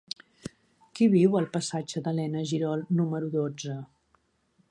Qui viu al passatge d'Elena Girol número dotze?